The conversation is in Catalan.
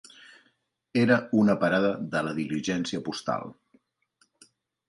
Era una parada de la diligència postal.